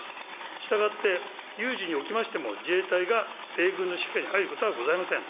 したがって有事におきましても自衛隊が米軍の指揮下に入ることはございません。